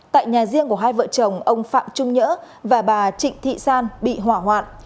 tại nhà riêng của hai vợ chồng ông phạm trung nhớ và bà trịnh thị san bị hỏa hoạn